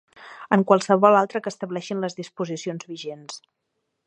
En qualsevol altre que estableixin les disposicions vigents.